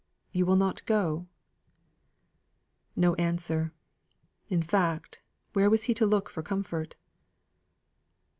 You will not go?" No answer. In fact, where was he to look for comfort?